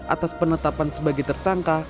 atas penetapan sebagai tersangka